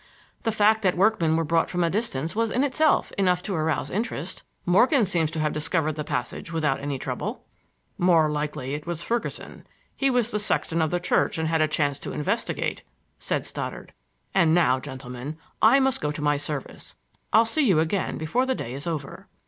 The fact that workmen were brought from a distance was in itself enough to arouse interest. Morgan seems to have discovered the passage without any trouble." "More likely it was Ferguson. He was the sexton of the church and had a chance to investigate," said Stoddard. "And now, gentlemen, I must go to my service. I'll see you again before the day is over."